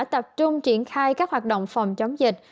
tập trung triển khai các hoạt động phòng chống dịch